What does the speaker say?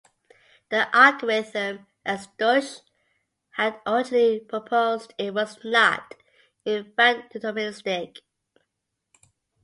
The algorithm as Deutsch had originally proposed it was not, in fact, deterministic.